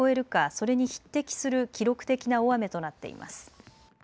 それに匹敵する記録的な大雨となっています。